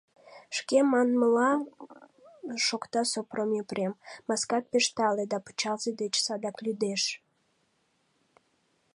— Шке манмыла, — шокта Сопром Епрем, — маскат пеш тале да пычалзе деч садак лӱдеш.